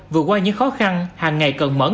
vượt qua những khó khăn hàng ngày cần mẫn